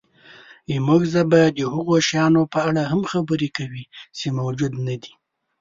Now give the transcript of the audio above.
زموږ ژبه د هغو شیانو په اړه هم خبرې کوي، چې موجود نهدي.